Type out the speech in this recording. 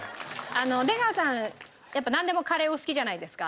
出川さんやっぱなんでもカレーお好きじゃないですか。